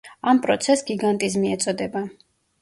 ამ პროცესს გიგანტიზმი ეწოდება.